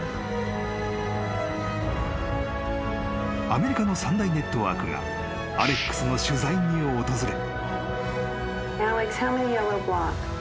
［アメリカの三大ネットワークがアレックスの取材に訪れ］